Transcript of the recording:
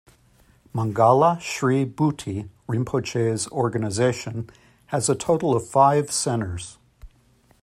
Mangala Shri Bhuti, Rinpoche's organization, has a total of five centers.